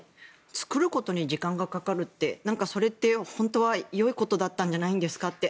作ることに時間がかかるってそれって本当はよいことだったんじゃないですかって。